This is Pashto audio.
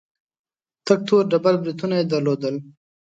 تک تور ډبل برېتونه يې درلودل.